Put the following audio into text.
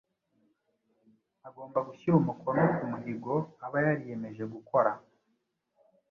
agomba gushyira umukono ku muhigo aba yariyemeje gukora